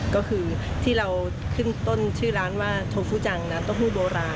ก็คือที่เราขึ้นต้นชื่อร้านว่าโทฟูจังน้ำเต้าหู้โบราณ